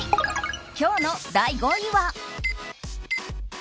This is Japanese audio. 今日の第５位は。